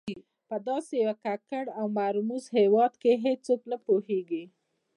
په داسې یو ککړ او مرموز هېواد کې هېڅوک نه پوهېږي.